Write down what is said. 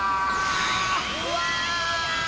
うわ！